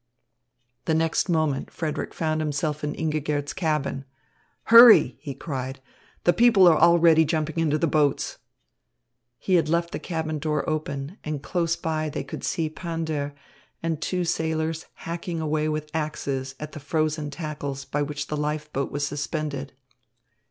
The next moment Frederick found himself in Ingigerd's cabin. "Hurry!" he cried. "The people are already jumping into the boats." He had left the cabin door open, and close by they could see Pander and two sailors hacking away with axes at the frozen tackles by which a life boat was suspended.